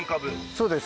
そうです。